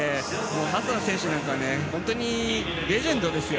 ハッサン選手なんか本当にレジェンドですよ。